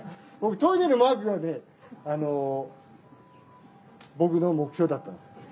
トイレのマークがね、僕の目標だったんです。